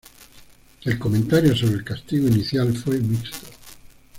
El comentario sobre el castigo inicial fue mixto.